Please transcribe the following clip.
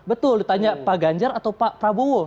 betul ditanya pak ganjar atau pak prabowo